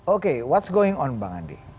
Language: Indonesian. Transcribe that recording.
oke apa yang terjadi bang andi